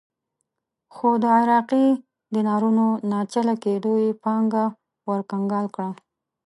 خو د عراقي دینارونو ناچله کېدو یې پانګه ورکنګال کړه.